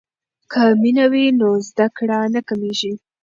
که مینه وي نو زده کړه نه کمیږي.